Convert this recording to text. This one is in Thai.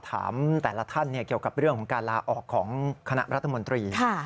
ถามแต่ละท่านเกี่ยวกับเรื่องของการลาออกของคณะรัฐมนตรี